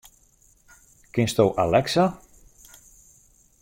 Kinsto Alexa?